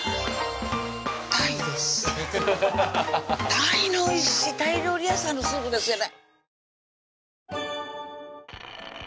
タイのおいしいタイ料理屋さんのスープですよね